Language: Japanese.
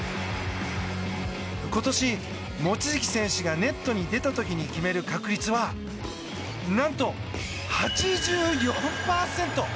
今年、望月選手がネットに出た時に決める確率は何と８４％。